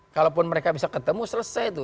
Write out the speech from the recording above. kalaupun mereka bisa ketemu selesai tuh